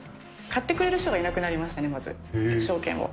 買ってくれる人がいなくなりましたね、まず証券を。